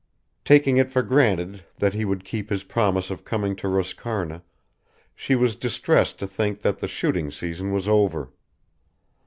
Taking it for granted that he would keep his promise of coming to Roscarna she was distressed to think that the shooting season was over.